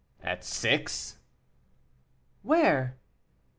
"At six." "Where?"